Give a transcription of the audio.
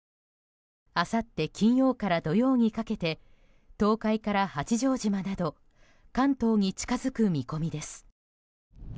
あさって金曜から土曜にかけて東海から八丈島など関東に近づく見込みです。